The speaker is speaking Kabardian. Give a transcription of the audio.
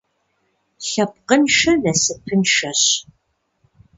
Лъэпкъыншэ насыпыншэщ.